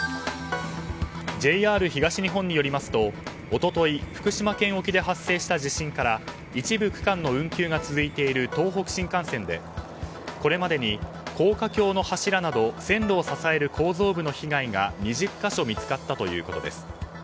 ＪＲ東日本によりますと一昨日、福島県沖で発生した地震から一部区間の運休が続いている東北新幹線で、これまでに高架橋の柱など線路を支える構造部の被害が２０か所見つかったということです。